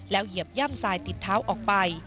แล้วเหยียบหย่ำซ้ายติดเท้าออกไป